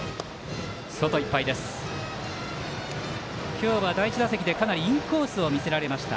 今日は第１打席でかなりインコースを見せられました。